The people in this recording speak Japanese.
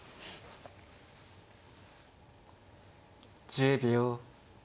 １０秒。